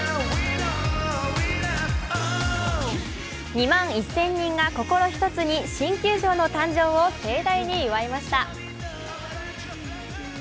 ２万１０００人が心１つに新球場の誕生を盛大に祝いました。